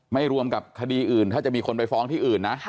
รวมกับคดีอื่นถ้าจะมีคนไปฟ้องที่อื่นนะ